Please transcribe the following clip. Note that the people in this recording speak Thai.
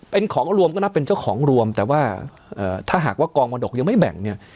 เป็นของรวมก็นับเป็นเจ้าของรวมแต่ว่าถ้าหากว่ากองมรดกยังไม่แบ่งเนี่ย